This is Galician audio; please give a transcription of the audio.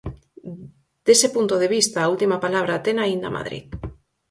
Dese punto de vista, a última palabra tena aínda Madrid.